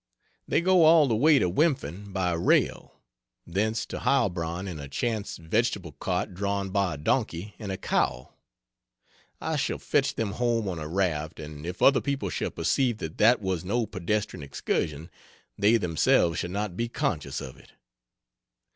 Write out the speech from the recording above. They go all the way to Wimpfen by rail thence to Heilbronn in a chance vegetable cart drawn by a donkey and a cow; I shall fetch them home on a raft; and if other people shall perceive that that was no pedestrian excursion, they themselves shall not be conscious of it.